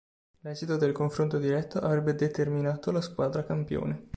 L'esito del confronto diretto avrebbe determinato la squadra campione.